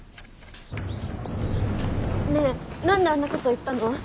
ねえ何であんなこと言ったの？